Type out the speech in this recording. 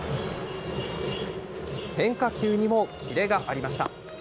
変化球にもキレがありました。